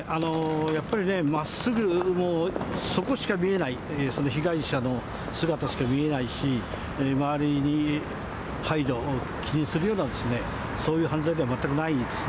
やっぱりまっすぐもうそこしか見えない、被害者の姿しか見えないし、周りに配慮、気にするような、そういう犯罪では全くないですね。